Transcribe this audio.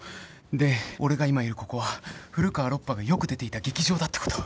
で俺が今いるここは古川ロッパがよく出ていた劇場だってこと。